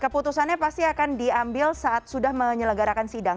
keputusannya pasti akan diambil saat sudah menyelenggarakan sidang